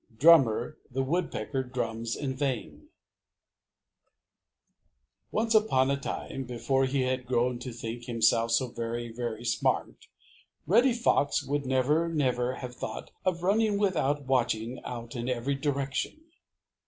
Drummer the Woodpecker Drums in Vain Once upon a time, before he had grown to think himself so very, very smart, Reddy Fox would never, never have thought of running without watching out in every direction.